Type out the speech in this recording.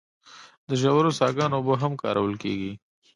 د ژورو څاګانو اوبه هم کارول کیږي.